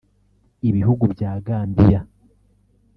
Ibihugu bya Gambiya